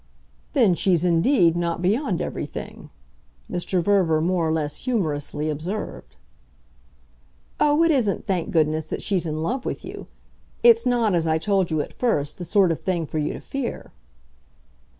"Then she's indeed not beyond everything," Mr. Verver more or less humorously observed. "Oh it isn't, thank goodness, that she's in love with you. It's not, as I told you at first, the sort of thing for you to fear."